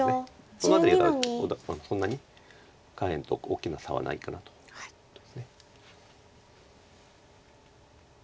その辺りがそんなに下辺と大きな差はないかなということです。